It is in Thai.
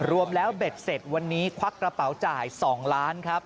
รวมแล้วเบ็ดเสร็จวันนี้ควักกระเป๋าจ่าย๒ล้านครับ